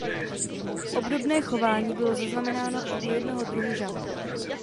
Obdobné chování bylo zaznamenáno i u jednoho druhu žab.